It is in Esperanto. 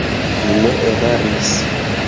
Mi ne eraris.